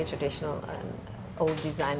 dari desain yang sangat tradisional